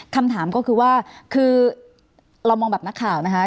คำถามก็คือว่าคือเรามองแบบนักข่าวนะคะ